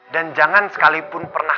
dan jangan sekalipun pernah